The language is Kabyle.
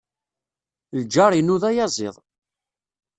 Lǧar-inu d ayaẓiḍ.